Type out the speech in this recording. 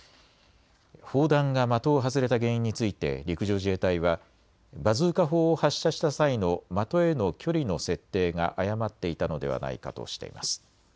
砲弾が的を外れた原因について陸上自衛隊はバズーカ砲を発射した際の的への距離の設定が誤っていたのではないかとしています。